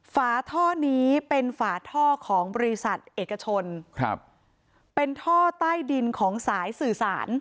ฝาท่อนี้เป็นฝาท่อของบริษัทเอกชนครับเป็นท่อใต้ดินของสายสื่อสาร